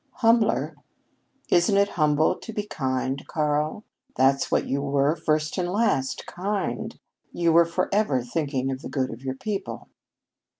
"Humbler? Isn't it humble to be kind, Karl? That's what you were first and last kind. You were forever thinking of the good of your people."